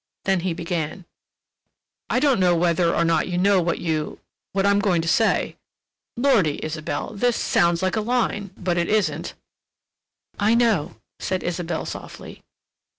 Then he began: "I don't know whether or not you know what you—what I'm going to say. Lordy, Isabelle—this sounds like a line, but it isn't." "I know," said Isabelle softly.